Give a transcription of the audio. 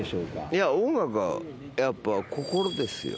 いや、音楽はやっぱ心ですよ。